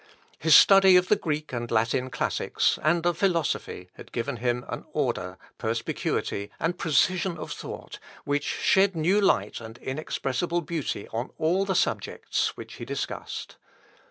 His study of the Greek and Latin classics, and of philosophy, had given him an order, perspicuity, and precision of thought, which shed new light and inexpressible beauty on all the subjects which he discussed.